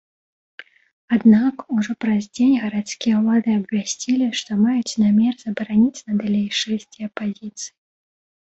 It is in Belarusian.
Аднак, ужо праз дзень гарадскія ўлады абвясцілі, што маюць намер забараніць надалей шэсці апазіцыі.